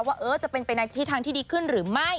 ว่าเอ้อจะเป็นเป็นนักที่ทางที่ดีขึ้นหรือไม่